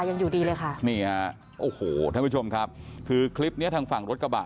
ยังอยู่ดีเลยค่ะนี่ฮะโอ้โหท่านผู้ชมครับคือคลิปเนี้ยทางฝั่งรถกระบะ